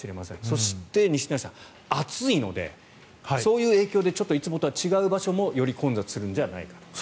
そして、西成さん暑いのでそういう影響でちょっといつもとは違う場所もより混雑するんじゃないかと。